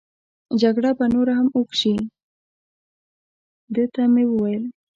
جګړه به نوره هم اوږد شي، ده ته مې وویل.